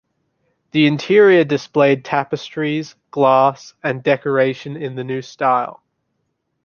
The interior displayed tapestries, glass and decoration in the new style.